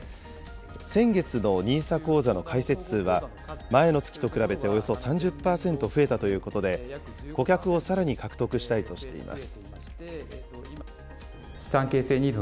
先月のＮＩＳＡ口座の開設数は前の月と比べておよそ３０％増えたということで、顧客をさらに獲得したいとしています。